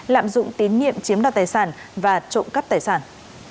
lạm dụng tín nhiệm chiếm đoạt tài sản và trộm cắp tài sản